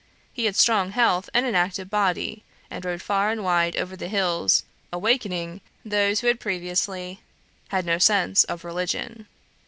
He had strong health and an active body, and rode far and wide over the hills, "awakening" those who had previously had no sense of religion.